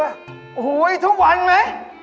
เออยุมาสมัย